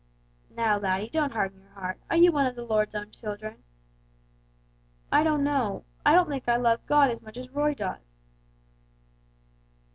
"Now, laddie, don't harden your heart, are you one of the Lord's own children?" "I don't know. I don't think I love God as much as Roy does."